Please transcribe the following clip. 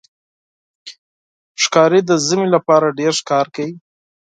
ښکاري د ژمي لپاره ډېر ښکار کوي.